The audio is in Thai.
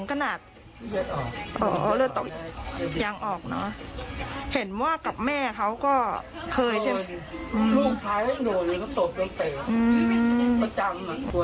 ประจำกลัวเด็ดในบ้าน